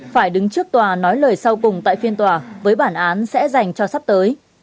phải đứng trước tòa nói lời sau cùng tại phiên tòa với bản án sẽ dành cho sắp tới